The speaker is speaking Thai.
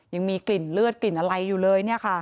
ยังมีกลิ่นเลือดกลิ่นอะไรอยู่เลย